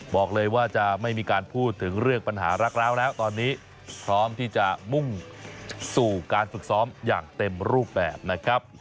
บอกเลยว่าจะไม่มีการพูดถึงเรื่องปัญหารักร้าวแล้วตอนนี้พร้อมที่จะมุ่งสู่การฝึกซ้อมอย่างเต็มรูปแบบนะครับ